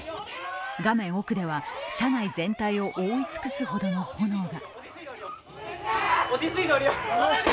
画面奥では、車内全体を覆い尽くすほどの炎が。